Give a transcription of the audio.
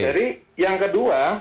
jadi yang kedua